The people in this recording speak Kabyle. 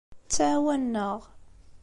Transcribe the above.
Ttɛawanen-aɣ.